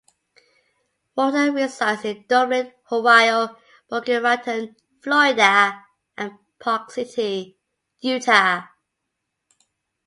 Walter resides in Dublin, Ohio; Boca Raton, Florida; and Park City, Utah.